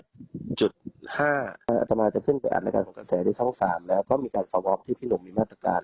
ถ้าอาตมารจะเพิ่งไปอัดระดับเฉินเสนอกระแสที่ชั้น๓แล้วก็มีการสะว้อนที่พี่หนุ่มมีมาตรกาล